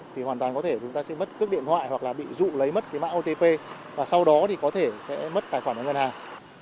thì hoàn toàn có thể chúng ta sẽ mất cước điện thoại hoặc là bị dụ lấy mất cái mã otp và sau đó thì có thể sẽ mất tài khoản của ngân hàng